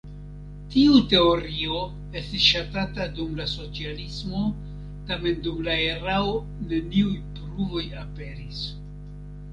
Tiu teorio estis ŝatata dum la socialismo, tamen dum la erao neniuj pruvoj aperis.